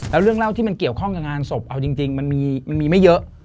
แล้วเรื่องเล่าที่มันเกี่ยวข้องกับงานศพเอาจริงมันมีไม่เยอะ